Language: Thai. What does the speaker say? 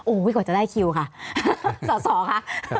โอ้ยกว่าจะได้คิวค่ะสสค่ะ